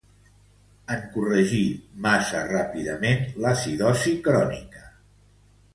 En corregir massa ràpidament l'acidosi crònica.